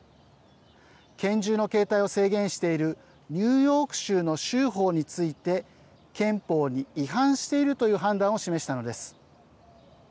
拳銃の携帯を制限しているニューヨーク州の州法について憲法に違反しているという判断を示したのです。